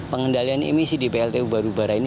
pengendalian emisi di pltu batubara ini